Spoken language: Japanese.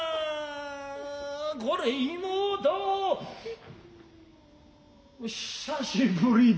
これ妹久しぶりだなァ。